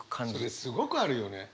それすごくあるよね。